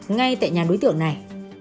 ngay tại nhà đối tượng này